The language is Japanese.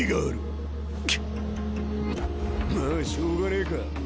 まあしょうがねえか。